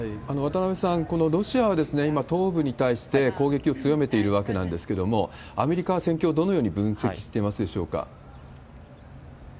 渡邊さん、このロシアは今、東部に対して攻撃を強めているわけなんですけれども、アメリカは戦況をどのように分析してますでしょうか？